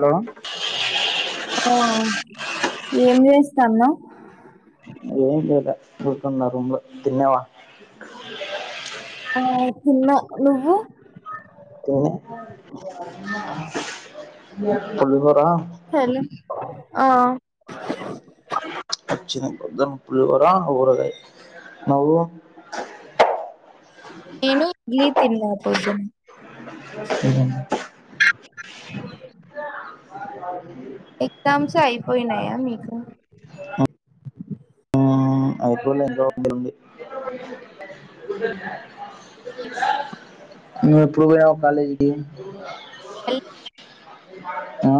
Hello ఆ ఏం జేస్తాన్నావ్? కూర్చున్న రూమ్ లో తిన్నవా? ఆ తిన్నా నువ్వు తిని పులిహోర సర్లే ఆ అచ్చినం పొద్దున పులిహోర ఊరగాయ్ నవ్వు నేను ఇడ్లీ తిన్నా పొద్దునా ఉహు ఎగ్జామ్స్ అయిపోయినయా మీకు? మ్మ్ అయిపోలే ఇంగ [inaudible] ఉంది నువ్యెప్పుడు పోయావ్ కాలేజ్కి? ఎల్ ఆ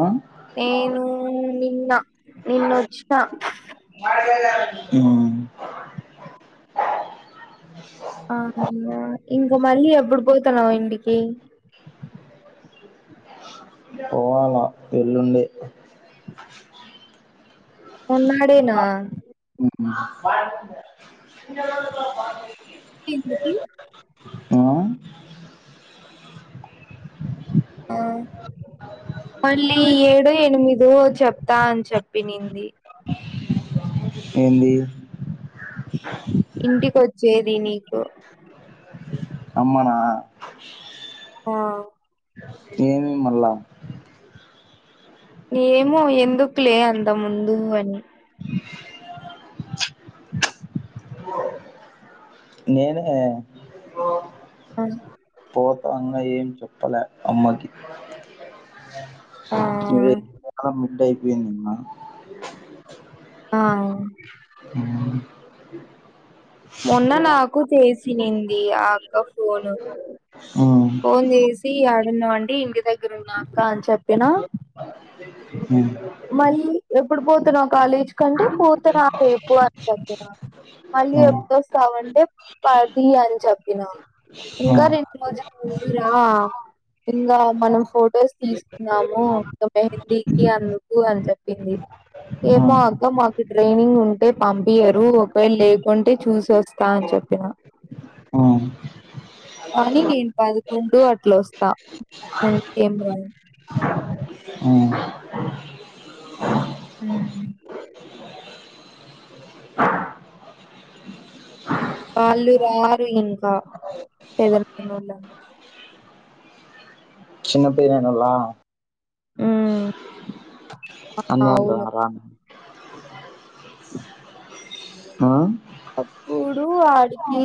ఏం నిన్న నిన్నొచ్చిన [inaudible] ఉమ్ ఆ అవును ఇంకా మళ్ళీ ఎప్పుడు పోతునావ ఇంటికి? పోవాల ఎల్లుండే ఉన్నాడేనా ఉహు తిన్ ఎందుకు? ఆ ఆ ఓ చెప్తాని చెప్పినింది. ఏందీ ఇంటికొచ్చేది నీకు అమ్మ నా ఆ ఏం మళ్ళా ఏమో ఎందుక్లే అంద ముందూ అని నేనే కదే పో ఆ పో తాన్న ఏం చెప్పలే అమ్మకి ఆ ఎమోరా నెట్టైపోందా ఆ [inaudible] మొన్న నాకు తెసినిందీ ఆ అక్క ఫోను ఫోన్ జేసి యాడున్నవండి ఇంటి దగ్గరున్నాక్క అని చెప్పిన మ్మ్ మళ్ళీ ఎప్పుడు పోతున్నావు కాలేజ్ కంటే పోతునరా రేపు అని చెప్పిన మళ్ళీ ఎప్పుడొస్తావంటే పది అని చెప్పినా ఇంకా రెండు రోజుల ముందు రా ఇంగ మనం ఫొటోస్ తీసుకున్నాము మెహందీకి అందు కు అని చెప్పింది ఏమో అక్క మాకు ట్రైనింగ్ ఉంటే పంపియరు ఒకవేళ లేకుంటే చూసి వస్తా అని చెప్ చెప్పిన అ కానీ నిను పదకొండు కొట్లోస్తా ఏం కదు మ్ హూ వాళ్ళురారు ఇంకా [unintelligible] చిన్న పిల్లగా నోల్లా మ్ అమ్మేమంటాదో రాన్ ఆ అప్పుడు ఆడికి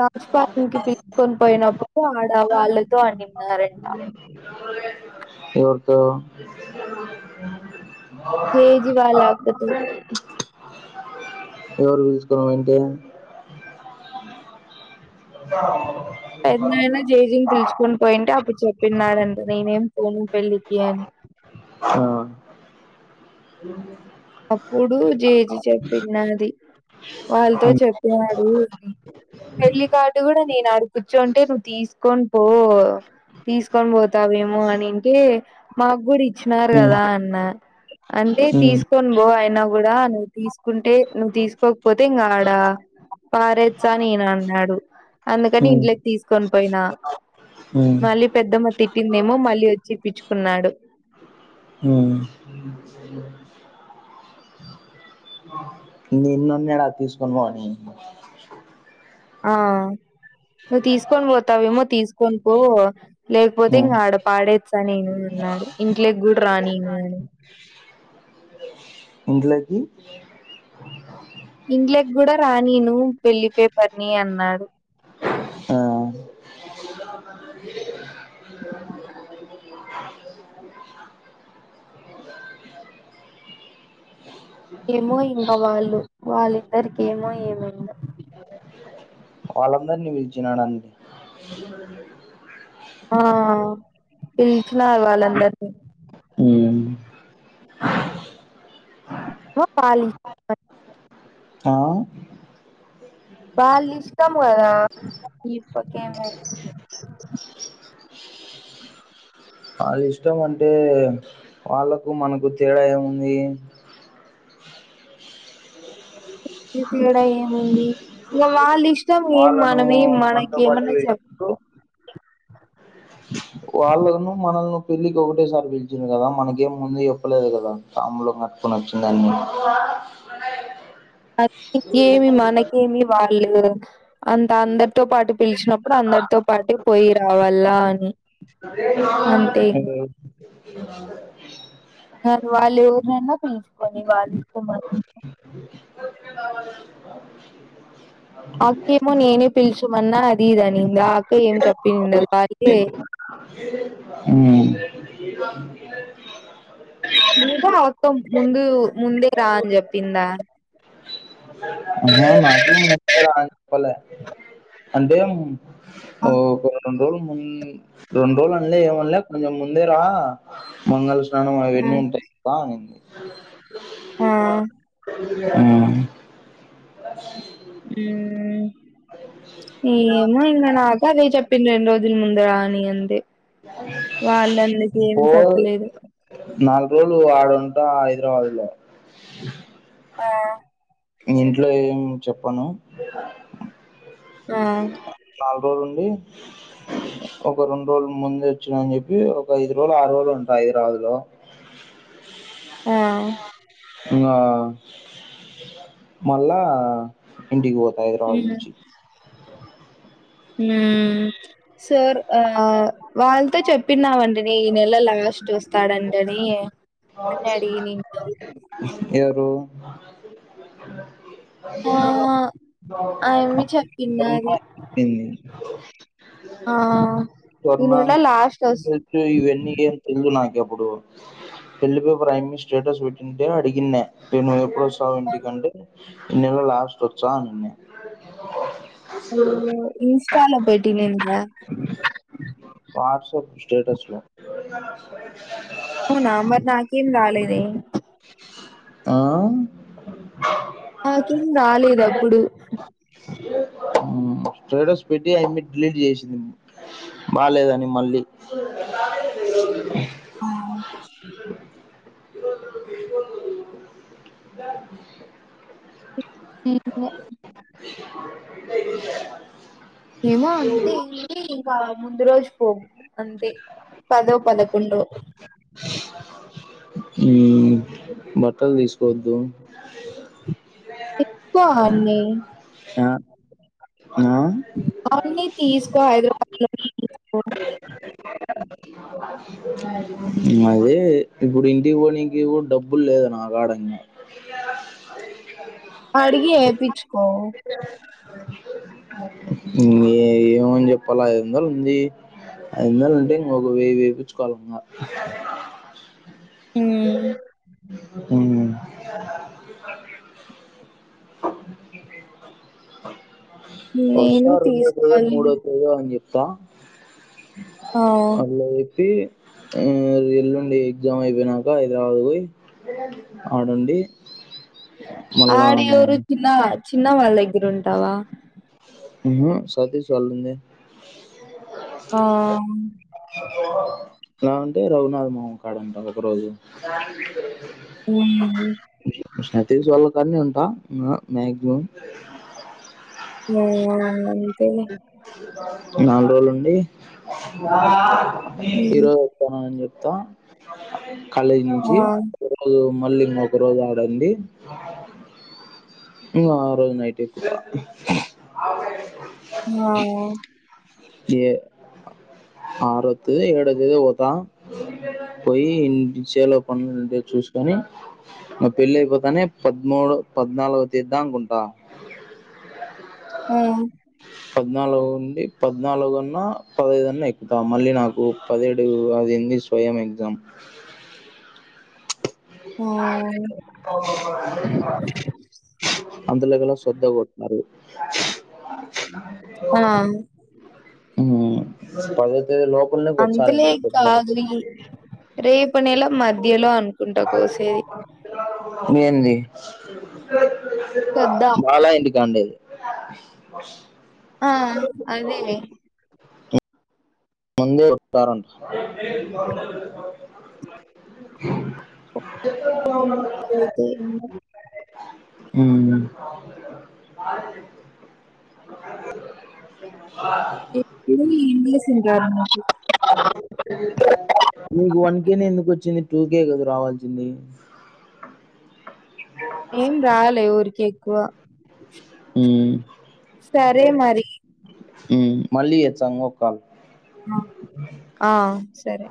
రాజ్పాల కి పిలుచుకోని పోయినప్పుడు ఆడ వాళ్ళతో ఆడిన్నారంట ఎవరితో జెజీ వాళ్ళ అక్కత్ ఎవరు పిలుసుకొని పోయింటే [unintelligible] ఎన్నైనా [unintelligible] కొన్ పోయింటే అప్పుడు చెప్పినడంటే నేనేం పోను పెళ్ళికి అని హా అప్పుడు జేజీ చెప్పిన్నది వాళ్ళతో చెప్పినాడు అని పెళ్ళి కాడు కూడా నేను కూర్చుంటే నువ్వు తీసుకొని పో తీసుకొని పోతావేమో అనింకే మాక్కుడా ఇచ్చినారు ఉమ్ కదా అన్న అంటే ఉమ్ తీస్ తీసుకోను బో అయినా కూడా నువ్వు తీసుకుంటే నువ్వు తీసుకోకపోతే ఇంగాడ పారేచ్చా అని ఇయనన్నాడు అందుకని ఉమ్ ఇంట్లకి తీసుకొని పోయినా ఉమ్ మళ్ళీ పెద్దమ్మ తిట్టిందేమో మళ్ళీ వచ్చి ఇపిచ్చుకున్నాడు ఉమ్ అన్నడ తీసుకొని పోఅని ఆ నువ్వు తీసుకొని పోతావేమో తీసుకొని పో లేకపోతే ఉమ్ ఇంగా ఆడ పాడేచ్చా నేను అన్నాడు ఇంట్లోకి గూడా రానిలేడు ఇంట్లకి ఇంట్లకి గూడా రానిను పెళ్ళి కూతుర్ని అన్నాడు ఆ ఏమో ఇంక వాళ్ళు వాళ్ళిద్దరికేమొ ఏమైందో వాళ్ళందరిని పిలిచినడాండి ఆ పిలిచినా వాళ్ళందరినీ మ్ ఓ పాలి ఆ వాళ్ళ ఇష్టం కదా [unintelligible] వాళ్ళ ఇష్టం అంటే వాళ్ళకు మనకు తేడా ఏముంది [unintelligible] ఏముంది ఇగ వాళ్ళిష్ ష్టం ఏం వాళ్ళను మనమేం మనతో మనకేమన్నా చెప్ పాటు వాళ్లేమొ మనల్ని పెళ్లికి ఒకటేసారి పిలిచినారు కదా మనకేం ముందు చెప్పలేరు గదా తంబులం చెప్పున వచ్చిందాన్ని అ ఇంకేమి మనకేమి వాళ్ళు అంత అందరితో పాటు పిలిచినప్పుడు అందరితో పాటే పోయి రావల్ల అని అంతే ఇంగ తీసుకొనివాలు అక్కేమో నేనే పిలుచమన్నా అది ఇదని దాకా ఏం చెప్పందిండ వారికి ఉమ్ మీ కూడా మొత్తం ముందు ముందే రా అని చెప్పిందా మాది కూడా అంటే ఓ ప రెండు రోలు రెండు రోజులు అనలే ఏమనలే కొంచెం ముందే రా మంగళ స్నానం అవన్నీ ఉంటయి ఆ ఉమ్ ఉమ్ ఏమో ఇంకా నాకు అదే చెప్పింది రెండు రోజుల ముందు రా అని అంతే వాళ్ళు అందుకే ఏం పో చెప్పలేదు నాలుగు రోలు ఆడుంటా హైదరాబాద్ లో ఆ ఇంట్లో ఏం చెప్పను నాలు రోలు ఉండి ఒక రెండు రోలు ముందు వచ్చిన అని చెప్పి ఒక ఐదు రోజులు ఆరు రోజులు ఉంటా హైదరాబాద్ లో ఆ ఇంగ మళ్ళా ఇంటికి పోతు హైదరాబాద్ నుంచి ఉమ్ సర్ ఆ వాళ్ళతో చెప్పినామండి నే ఈ నెల లాస్ట్ చూస్తాదంటది డాడీ అన్నాడి నేను ఎవరు ఆ ఆయమ్మి చెప్పిండాది ఆ ఈ సువర్ణ నెల లాస్ట్ వస్తు ఇవన్నీ ఏం తెల్దు నాకి ఇప్పుడు పెళ్లి పేపర్ఐమి స్టేటస్ పెట్టింటే అడిగిన్న నేను ఎప్పుడ ఇంటి కంటే ఈ నెల లాస్ట్ వచ్చా అని అ ఇంస్టాలో భేటింగ్ అయ్యిందా వాట్సాప్ స్టేటస్ లో అవునా మరి నాకెం రాలేదే ఆ నాకేం రాలేదు అప్పుడు స్టేటస్ పెట్టి అయమీ డిలీట్ చేసింది బాలేదని మళ్ళీ [unintelligible] [inaudible] ఏమో అంతే ఇ ఇంకా ముందు రోజు పో అంతే పదో పదకొండో ఉమ్ బట్టలు తీసుకోవద్దు ఎక్కువ అన్ని ష ఆ అవన్నీ తీసుకో హైదరాబాద్ లో తీసుకో అదీ ఇప్పుడు ఇంటి పోనీకి కూడబ్బులు లేదు నా కాడ అడిగి ఏపీచుకో ఏ ఏమని చెప్పాల ఐదొందలుంది ఐదొందలుంటే ఇంకోక వె వేపించ్కోలింగా ఉమ్ ఊ నేను ఒస్సా రెండో తేదో తీసుకోవాలి మూడో తేదోని జెప్ స్స ఆ మల్ల కి ఆ ఎల్లుండి ఎగ్జామైపోయినాక హైదరాబాద్ పోయి ఆడుంది ఆడేవరు చిన్న చిన్న వాళ్ళ దగ్గరుంటావా ఉహు సతీష్ వాళ్ళున్ని ఆ ఎలాఅంటే రఘునాథ మామ కాడుంటా ఒక్క రోజు ఉమ్ విష్ణవ్ తేజ్ వళ్ళకాన్నే ఉంటా మ మాక్సిమం వ వా అంతేలే నల్రోజులుండి ఈ హ్మ్. రోజు వస్తాను అని చె ప్తా కాలేజ్ నుంచి ఆ ఒక రోజు మళ్ళీ ఇంకొక రోజు లండి ఇంగా ఆరోజు నైట్ ఎక్కుత ఆ ఏ అరొత్తే ఏడో తేదీ పోతా పోయి ఇ సేల్లో పనులుంటే చూస్కోని మ పెళ్ళైపోతానే పద్మూడు పద్నాల్గో తేద్దాంకుంటా ఆ పద్నాలుగుఉంది పద్నాలుగున్నా పదైదున్నా ఎక్కుతాం మళ్ళీ నాకు పదిహేడు అదుంది స్వయం ఎగ్జామ్ [inaudible] అందులో కల్లా శ్రద్ధాకొడ్తున్నారు అనం హు పదో తేదీ లోపల్నే అంతలే వొచ్చారేమో శ్రద్దా కాదులే రేపు నెల మధ్యలో అనుకుంట కోసేది కొద్దా వాళ్ళా ఇంటికాండేది ఆ అదేనే ముందే ఉంటారంట [inaudible] ఏమో అయితై ఏమో ఉమ్ [inaudible] ఎ ఎముంది ఏంజేస్తుంది నీకు వన్ కే నే ఎందుకు వచ్చింది టూ కే గా రావాల్సింది ఏం రాలే ఊర్కే కువ ఉమ్ సరే మరి కి చంగో కాల్ ఆ సరే